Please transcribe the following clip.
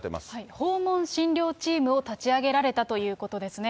訪問診療チームを立ち上げられたということですね。